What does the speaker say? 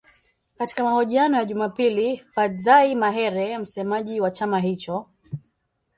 Katika mahojiano ya Jumapili, Fadzayi Mahere, msemaji wa chama hicho